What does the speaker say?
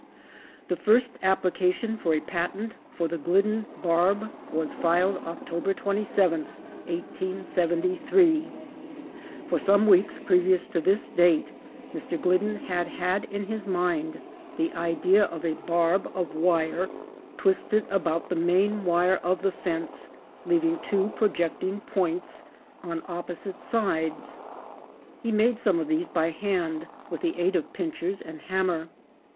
The first application for a patent for the Glidden barb was filed October 27, 1873. For some weeks previous to this date Mr. Glidden had had in his mind the idea of a barb of wire twisted about the main wire of the fence, leaving two projecting points on opposite sides. He made some of these by hand with the aid of pinchers and hammer.